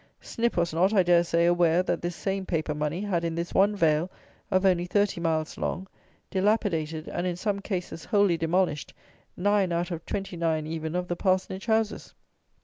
Snip was not, I dare say, aware that this same paper money had, in this one Vale of only thirty miles long, dilapidated, and, in some cases, wholly demolished, nine out of twenty nine even of the parsonage houses.